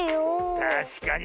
たしかに。